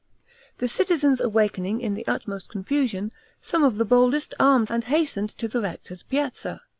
The citizens awaking in the utmost confusion, some of the boldest armed and hastened to the rector's piazza.